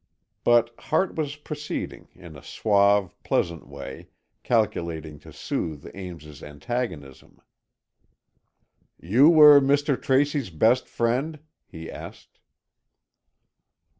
But Hart was proceeding, in a suave, pleasant way, calculated to soothe Ames's antagonism. "You were Mr. Tracy's best friend?" he asked.